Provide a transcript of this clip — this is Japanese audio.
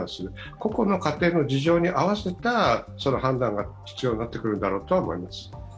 個々の家庭の事情に合わせた判断が必要になってくるだろうと思います。